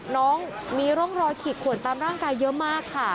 น้องมีร่องรอยขีดขวนตามร่างกายเยอะมากค่ะ